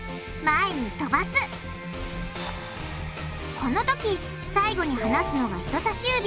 このとき最後に離すのが人さし指。